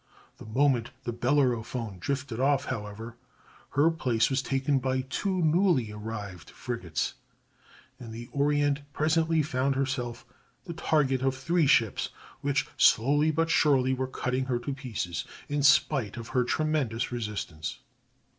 The moment the Bellerophon drifted off, however, her place was taken by two newly arrived frigates, and the Orient presently found herself the target of three ships which slowly but surely were cutting her to pieces in spite of her tremendous resistance.